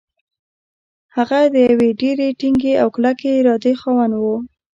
هغه د يوې ډېرې ټينګې او کلکې ارادې خاوند و.